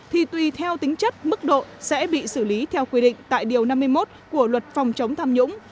thì tùy theo tính chất mức độ sẽ bị xử lý theo quy định tại điều năm mươi một của luật phòng chống tham nhũng